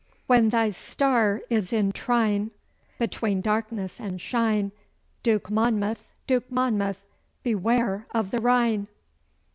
"When thy star is in trine, Between darkness and shine, Duke Monmouth, Duke Monmouth, Beware of the Rhine!"